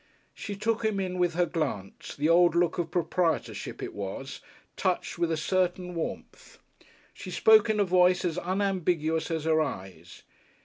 She took him in with her glance, the old look of proprietorship it was, touched with a certain warmth. She spoke in a voice as unambiguous as her eyes.